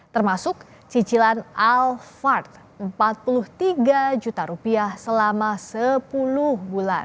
termasuk cicilan alfard empat puluh tiga juta rupiah selama sepuluh bulan